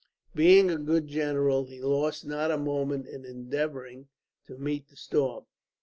Being a good general, he lost not a moment in endeavouring to meet the storm.